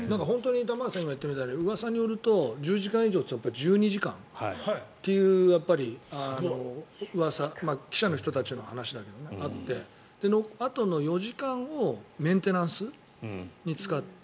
玉川さんが今言ったみたいにうわさによると、１０時間とか１２時間っていううわさ記者の人たちの話だけどあってあとの４時間をメンテナンスに使って。